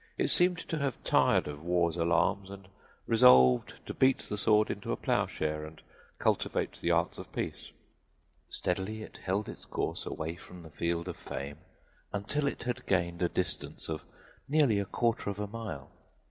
It seemed to have tired of war's alarms and resolved to beat the sword into a plowshare and cultivate the arts of peace. Steadily it held its course away from the field of fame until it had gained a distance of nearly a quarter of a mile.